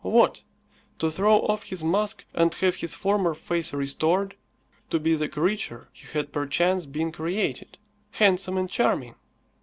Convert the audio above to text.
What! to throw off his mask and have his former face restored; to be the creature he had perchance been created, handsome and charming?